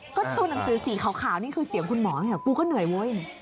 ก็ตัวหนังสือสีขาวนี่คือเสียงคุณหมอกูก็เหนื่อยเว้ย